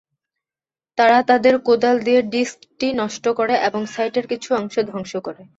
তারা তাদের কোদাল দিয়ে ডিস্কটি নষ্ট করে এবং সাইটের কিছু অংশ ধ্বংস করে।